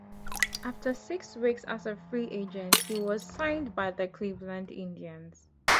After six weeks as a free agent, he was signed by the Cleveland Indians.